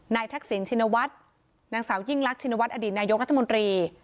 ทักษิณชินวัฒน์นางสาวยิ่งรักชินวัฒนอดีตนายกรัฐมนตรี